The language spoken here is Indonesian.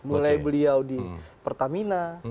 mulai beliau di pertamina